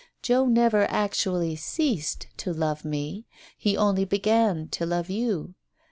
Joe never actually ceased to love me; he only began to love you.